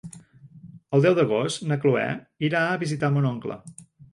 El deu d'agost na Cloè irà a visitar mon oncle.